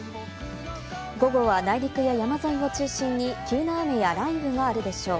午後は内陸や山沿いを中心に急な雨や雷雨があるでしょう。